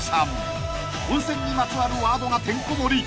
［温泉にまつわるワードがてんこ盛り］